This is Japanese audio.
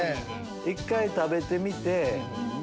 １回食べてみて。